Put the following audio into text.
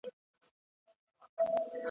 انا په پوره پاملرنې سره خپل عبادت ته دوام ورکړ.